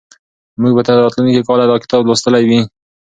موږ به تر راتلونکي کاله دا کتاب لوستلی وي.